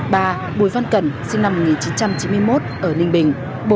ba bùi văn cẩn sinh năm một nghìn chín trăm chín mươi một ở ninh bình